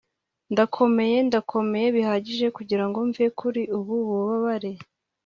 ndakomeye, ndakomeye bihagije kugirango mve kuri ubu bubabare